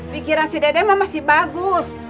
pikiran si dede memang masih bagus